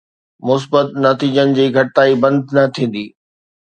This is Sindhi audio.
، مثبت نتيجن جي گهڻائي بند نه ٿيندي.